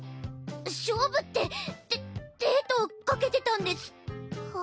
勝負ってデデートを賭けてたんですか？